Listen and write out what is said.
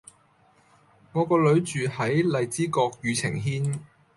我個女住喺荔枝角宇晴軒